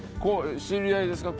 知り合いですか？